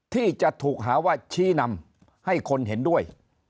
ที่จะถูกหาว่าชี้นำให้คนเห็นด้วย